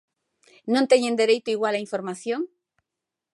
¿Non teñen dereito igual á información?